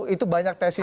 itu banyak tesis